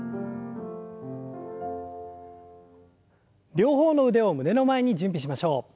両方の腕を胸の前に準備しましょう。